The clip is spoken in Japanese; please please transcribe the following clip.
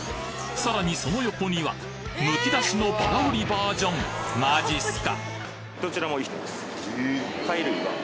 さらにその横には剥き出しのバラ売りバージョンマジすか！！